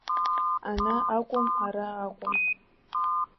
Ана акәым, ара акәым.